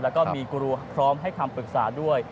แล้วก็มีกลัวพร้อมให้คำปรึกษาด้วย